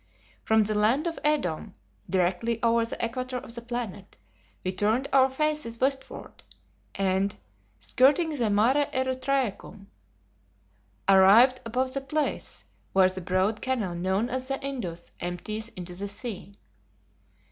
From the land of Edom, directly over the equator of the planet, we turned our faces westward, and, skirting the Mare Erytraeum, arrived above the place where the broad canal known as the Indus empties into the sea.